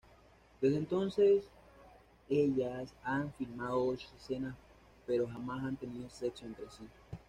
Desde entonces, ellas han filmado ocho escenas pero jamás han tenido sexo entre sí.